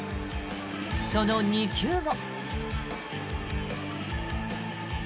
その２球後。